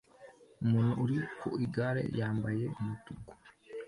Umuntu uri ku igare yambaye umutuku